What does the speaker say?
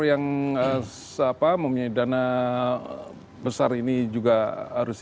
yang memiliki dana besar ini juga harus